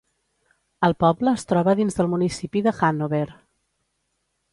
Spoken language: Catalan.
El poble es troba dins del municipi de Hannover.